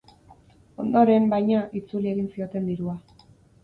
Ondoren, baina, itzuli egin zioten dirua.